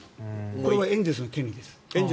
これはエンゼルスの権利です。